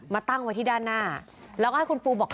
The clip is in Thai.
ตั้งไว้ที่ด้านหน้าแล้วก็ให้คุณปูบอก